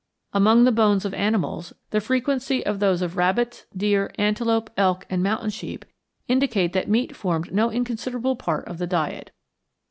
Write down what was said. Among the bones of animals, the frequency of those of rabbits, deer, antelope, elk, and mountain sheep indicate that meat formed no inconsiderable part of the diet.